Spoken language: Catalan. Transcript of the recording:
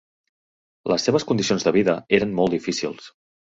Les seves condicions de vida eren molt difícils.